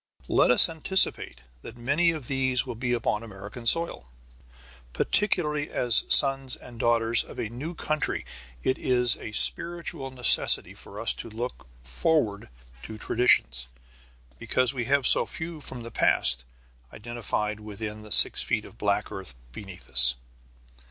Let us anticipate that many of these will be upon American soil. Particularly as sons and daughters of a new country it is a spiritual necessity for us to look forward to traditions, because we have so few from the past identified with the six feet of black earth beneath us.